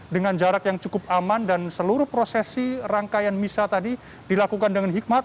dengan jarak yang cukup aman dan seluruh prosesi rangkaian misa tadi dilakukan dengan hikmat